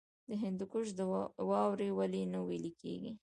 د هندوکش واورې ولې نه ویلی کیږي؟